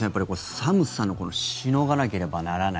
寒さをしのがなければならない。